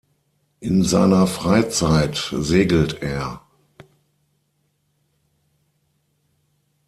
In seiner Freizeit segelt er.